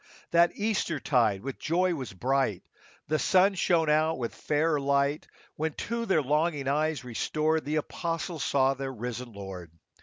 That Easter tide with joy was bright, The sun shone out with fairer light, When, to their longing eyes restored, The apostles saw their risen Lord.